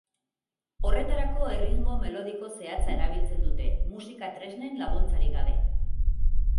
Horretarako erritmo melodiko zehatza erabiltzen dute, musika-tresnen laguntzarik gabe.